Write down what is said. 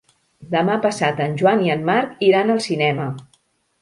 Demà passat en Joan i en Marc iran al cinema.